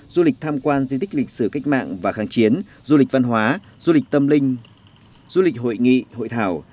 du lịch tham quan di tích lịch sử cách mạng và kháng chiến du lịch văn hóa du lịch tâm linh du lịch hội nghị hội thảo